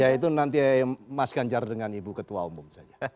ya itu nanti mas ganjar dengan ibu ketua umum saja